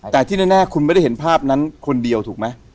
แต่ที่แน่คุณไม่ได้เห็นภาพนั้นคนเดียวถูกไหม